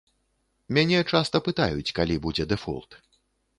Мяне часта пытаюць, калі будзе дэфолт.